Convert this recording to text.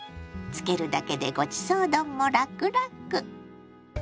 つけるだけでごちそう丼もラクラク！